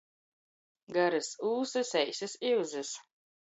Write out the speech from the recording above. Garys ūsys, eisys iuzys.